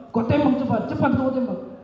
kau tembak cepat cepat kau tembak